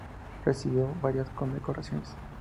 Recibió varias condecoraciones.